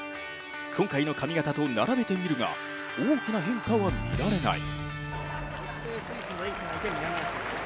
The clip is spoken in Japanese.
今回の髪形と並べてみるが大きな変化は見られない。